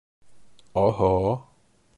Оһо!